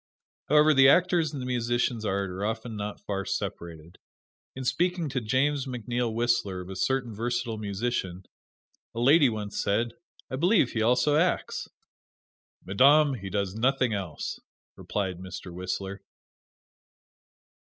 However, the actor's and the musician's art are often not far separated. In speaking to James McNeil Whistler of a certain versatile musician, a lady once said, "I believe he also acts!" "Madame, he does nothing else," replied Mr. Whistler.